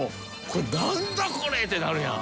「なんだ！？これ」ってなるやん。